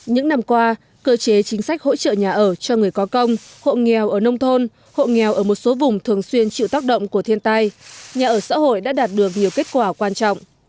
những năm qua cơ chế chính sách hỗ trợ nhà ở cho người có công hộ nghèo ở nông thôn hộ nghèo ở một số vùng thường xuyên chịu tác động của thiên tai nhà ở xã hội đã đạt được nhiều kết quả quan trọng